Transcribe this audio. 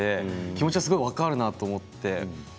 気持ちはすごく分かるなと思って。